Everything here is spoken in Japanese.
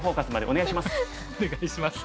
お願いします。